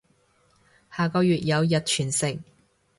下個月有日全食